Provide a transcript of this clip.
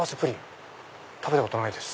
食べたことないです。